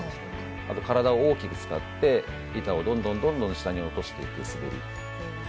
あと、体を大きく使って板をどんどん下に落としていく滑り